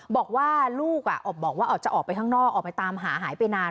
บอกว่าลูกบอกว่าจะออกไปข้างนอกออกไปตามหาหายไปนาน